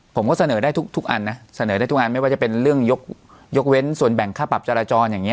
ผมก็เสนอได้ทุกอันนะเสนอได้ทุกอันไม่ว่าจะเป็นเรื่องยกเว้นส่วนแบ่งค่าปรับจราจรอย่างนี้